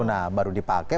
nah baru dipakai